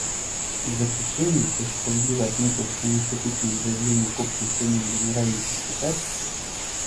В заключение, как справедливо отметил в своем вступительном заявлении к общим прениям Генеральный секретарь,.